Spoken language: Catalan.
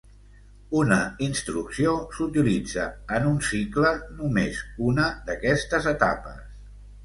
Una instrucció s'utilitza en un cicle només una d'aquestes etapes.